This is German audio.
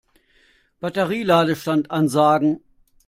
Batterie-Ladestand ansagen.